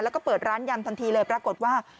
แล้วก็เปิดร้านยำทันทีเลยปรากฏว่า